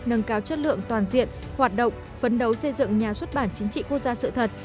nâng cao chất lượng toàn diện hoạt động phấn đấu xây dựng nhà xuất bản chính trị quốc gia sự thật